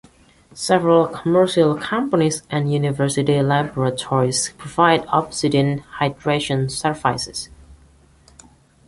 Several commercial companies and university laboratories provide obsidian hydration services.